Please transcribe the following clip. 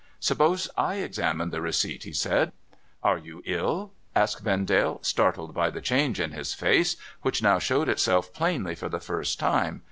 ' Suppose I examine the receipt ?' he said. * Are you ill ?' asked Vendale, startled by the change in his face, which now showed itself plainly for the first time.